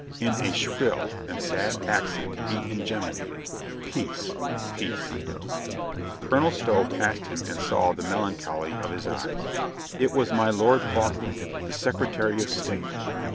In a shrill and sad accent he in geminated— "Peace ! Peace !" Colonel Stow passed him and saw the melancholy of his eyes. It was my Lord Falkland, the secre tary of state.